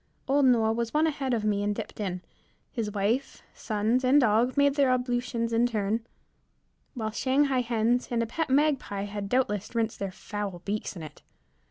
Old Noah was one ahead of me and dipped in. His wife, sons, and dog made their ablutions in turn, while the Shanghai hens and a pet magpie had doubtless rinsed their fowl beaks in it.